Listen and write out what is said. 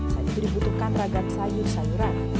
saat itu dibutuhkan ragam sayur sayuran